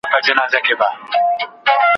ځوان باید هیڅکله له هاند او هڅو لاس وانخلي.